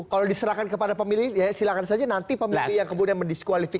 kalau diserahkan kepada pemilih ya silahkan saja nanti pemilih yang kemudian mendiskualifikasi